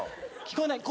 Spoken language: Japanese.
聞こえない？